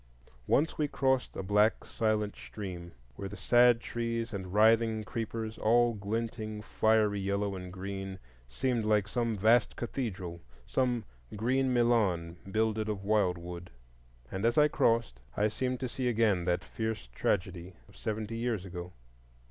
Once we crossed a black silent stream, where the sad trees and writhing creepers, all glinting fiery yellow and green, seemed like some vast cathedral,—some green Milan builded of wildwood. And as I crossed, I seemed to see again that fierce tragedy of seventy years ago.